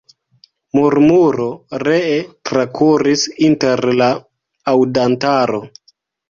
Murmuro ree trakuris inter la aŭdantaro.